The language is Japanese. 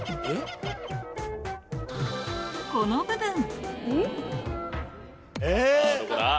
この部分え？